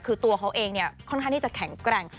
คือตัวเขาเองเนี่ยค่อนข้างที่จะแข็งแกร่ง